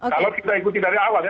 kalau kita ikuti dari awal ya